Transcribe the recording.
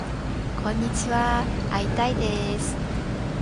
こんにちはーー会いたいです